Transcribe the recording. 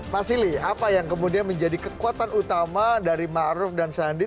mas ily apa yang kemudian menjadi kekuatan utama dari ma'ruf dan sandi